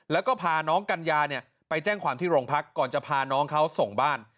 แล้วก็พาน้องกัญญาเนี่ยไปแจ้งความที่โรงพักก่อนจะพาน้องเขาส่งบ้าน